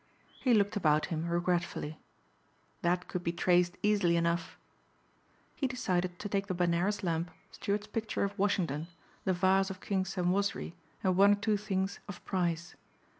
He looked about him regretfully. "That could be traced easily enough." He decided to take the Benares lamp, Stuart's picture of Washington, the vase of King Senwosri, and one or two things of price.